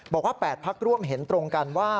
บอกว่า๘พักร่วมเห็นตรงกันว่า